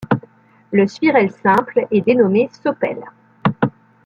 Le svirel simple est dénommé sopel.